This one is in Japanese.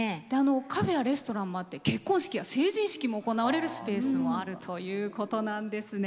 カフェやレストランもあって結婚式や成人式も行われるスペースもあるということなんです。